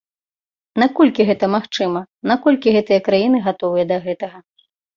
Наколькі гэта магчыма, наколькі гэтыя краіны гатовыя да гэтага?